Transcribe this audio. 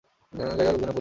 জায়গা লোকজনে পুরো ভরা।